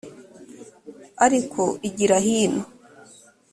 ariko igira hino.